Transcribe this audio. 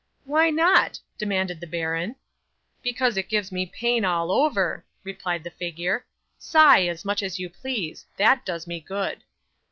'"Why not?" demanded the baron. '"Because it gives me pain all over," replied the figure. "Sigh as much as you please: that does me good."